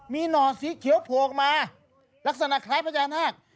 มีหน่อสีเขียวผ่วงมาลักษณะคล้ายพระญาณาค